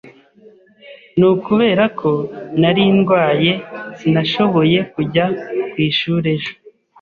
Ni ukubera ko nari ndwaye sinashoboye kujya ku ishuri ejo.